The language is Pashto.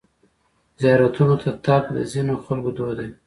زیارتونو ته تګ د ځینو خلکو دود دی.